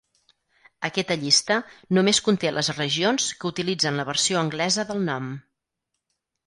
Aquesta llista només conté les regions que utilitzen la versió anglesa del nom.